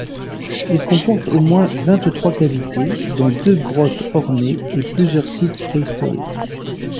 Il comporte au moins vingt-trois cavités, dont deux grottes ornées et plusieurs sites préhistoriques.